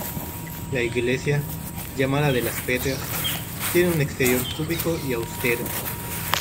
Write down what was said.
La iglesia, llamada de las Petras, tiene un exterior cúbico y austero.